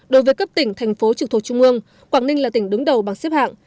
đối với cấp tỉnh thành phố trực thuộc trung ương quảng ninh là tỉnh đứng đầu bằng xếp hạng